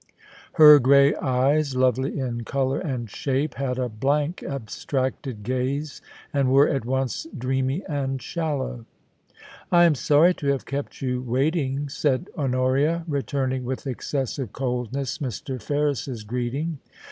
Her grey eyes, lovely in colour aad «hape, had a blank abstracted gaze, and were at once dreamy and shallow. 'I am sorry to have kept you waiting,' said Honoria, returning with excessive coldness Mr. Ferris's greeting.